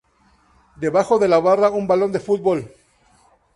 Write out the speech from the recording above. Debajo de la barra, un balón de fútbol.